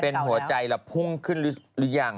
เป็นหัวใจแล้วพุ่งขึ้นหรือยัง